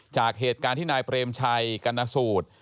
จากเหตุการณ์ที่นายเปรมชัยกรณสูตร